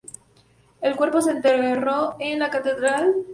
El cuerpo se enterró en la catedral de Schleswig.